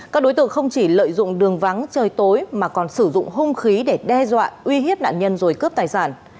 các đối tượng không chỉ lợi dụng đường vắng trời tối mà còn sử dụng hung khí để đe dọa uy hiếp nạn nhân rồi cướp tài sản